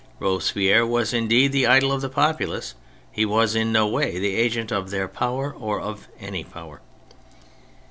Robespierre was indeed the idol of the populace; he was in no way the agent of their power or of any power.